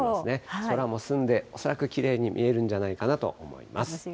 空も澄んで、恐らくきれいに見えるんじゃないかと思います。